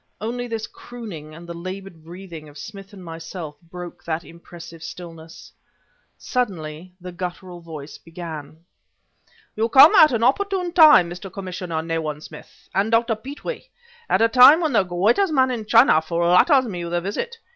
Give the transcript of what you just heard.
Only this crooning, and the labored breathing of Smith and myself, broke that impressive stillness. Suddenly the guttural voice began: "You come at an opportune time, Mr. Commissioner Nayland Smith, and Dr. Petrie; at a time when the greatest man in China flatters me with a visit.